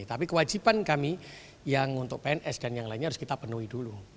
tapi kewajiban kami yang untuk pns dan yang lainnya harus kita penuhi dulu